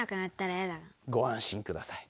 ご安心ください